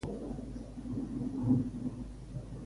Et separa de la ciutat on vius, te la fa estranya.